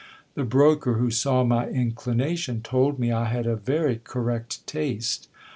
The broker, who saw my inclination, told me I had a very correct taste.